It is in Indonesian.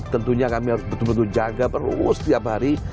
tentunya kami harus betul betul jaga terus setiap hari